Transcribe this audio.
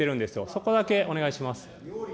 そこだけお願いします。